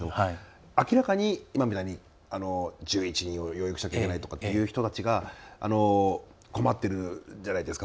明らかに、今みたいに１１人を養育しなきゃいけないという人たちが困っているじゃないですか。